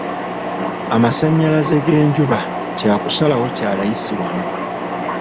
Amasannyalaze g'enjuba kya kusalawo kya layisi wano.